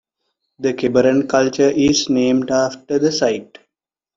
The Kebaran culture is named after the site.